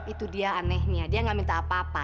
itu dia anehnya dia nggak minta apa apa